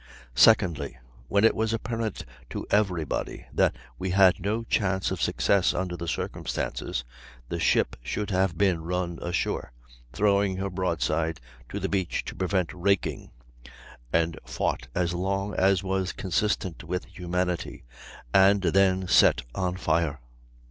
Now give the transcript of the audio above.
"Secondly, when it was apparent to everybody that we had no chance of success under the circumstances, the ship should have been run ashore, throwing her broadside to the beach to prevent raking, and fought as long as was consistent with humanity, and then set on fire.